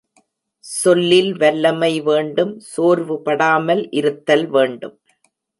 சொல்லில் வல்லமை வேண்டும் சோர்வுபடாமல் இருத்தல் வேண்டும்.